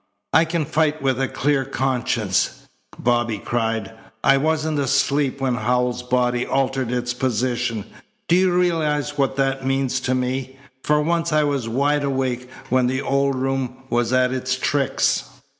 "I can fight with a clear conscience," Bobby cried. "I wasn't asleep when Howells's body altered its position. Do you realize what that means to me? For once I was wide awake when the old room was at its tricks."